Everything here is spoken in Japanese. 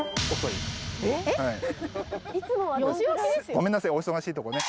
ごめんなさいお忙しいとこね。